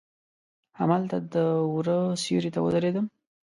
هملته د وره سیوري ته ودریدم.